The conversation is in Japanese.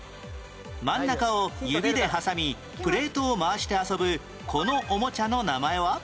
真ん中を指で挟みプレートを回して遊ぶこのおもちゃの名前は？